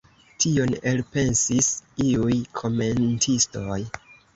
Tion elpensis iuj komentistoj.